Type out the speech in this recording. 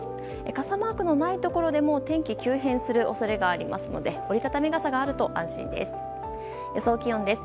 傘マークがないところでも天気が急変する恐れがあるので折り畳み傘があると安心です。